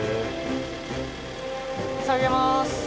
下げます。